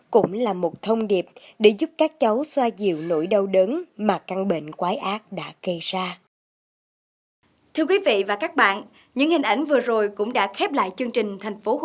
cũng là một thông điệp để giúp các cháu xoa dịu nỗi đau đớn mà căn bệnh quái ác đã gây ra